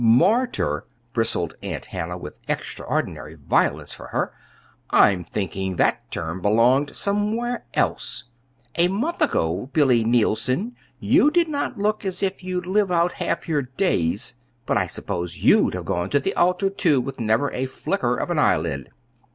"Martyr!" bristled Aunt Hannah, with extraordinary violence for her. "I'm thinking that term belonged somewhere else. A month ago, Billy Neilson, you did not look as if you'd live out half your days. But I suppose you'd have gone to the altar, too, with never a flicker of an eyelid!"